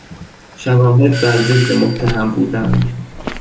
شواهد بر ضد متهم بودند.